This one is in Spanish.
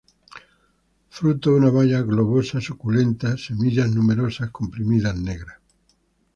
Fruto una baya globosa, suculenta; semillas numerosas, comprimidas, negras.